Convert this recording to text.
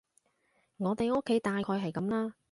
我哋屋企大概係噉啦